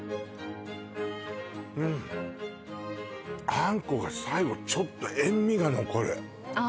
あんこが最後、ちょっと塩みが残る。